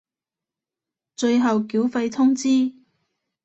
最後繳費通知